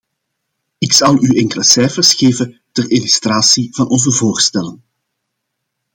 Ik zal u enkele cijfers geven ter illustratie van onze voorstellen.